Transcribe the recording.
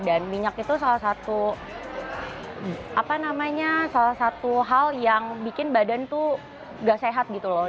dan minyak itu salah satu hal yang bikin badan tuh gak sehat gitu loh